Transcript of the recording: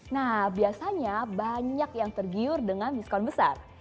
nah biasanya banyak yang tergiur dengan diskon besar